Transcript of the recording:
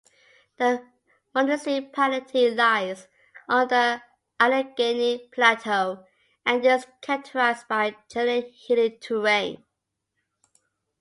The municipality lies on the Allegheny Plateau and is characterized by generally hilly terrain.